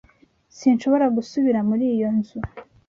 Sinshobora gusubira muri iyo nzu.